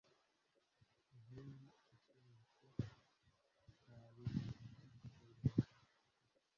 inkindi ukinditse ntawe uyikerensa